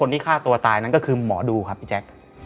ที่ฆ่าตัวตายนั้นก็คือหมอดูครับพี่แจ๊ค